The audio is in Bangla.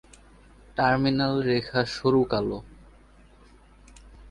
টার্মিনাল রেখা সরু কালো।